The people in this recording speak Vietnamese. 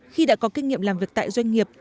khi đã có kinh nghiệm làm việc tại doanh nghiệp